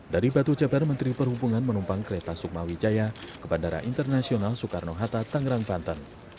dari batu jabar menteri perhubungan menumpang kereta sukmawijaya ke bandara internasional soekarno hatta tangerang banten